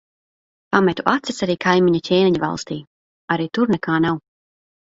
Pametu acis arī kaimiņu ķēniņa valstī. Arī tur nekā nav.